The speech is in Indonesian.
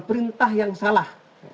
perintah yang salah